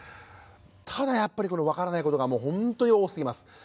ただやっぱり分からないことがもうほんとに多すぎます。